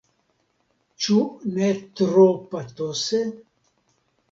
Ĉu ne tro patose?